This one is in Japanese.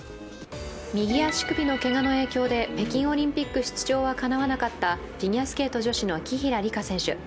右足首のけがの影響で北京オリンピック出場はかなわなかったフィギュアスケート女子の紀平梨花選手。